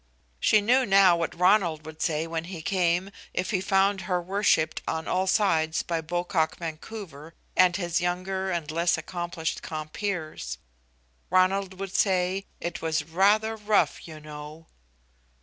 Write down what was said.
She knew now what Ronald would say when he came, if he found her worshiped on all sides by Pocock Vancouver and his younger and less accomplished compeers. Ronald would say "it was rather rough, you know."